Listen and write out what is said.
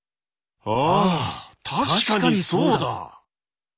あ確かにそうだ。